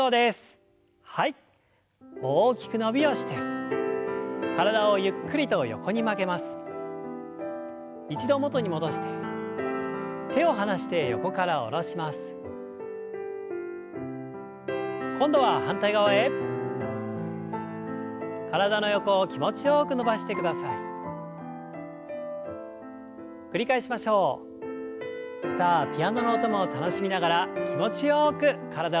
さあピアノの音も楽しみながら気持ちよく体をほぐしていきます。